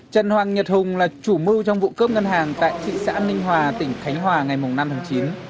trần hoàng nhật hùng là chủ mưu trong vụ cướp ngân hàng tại thị xã ninh hòa tỉnh khánh hòa ngày năm tháng chín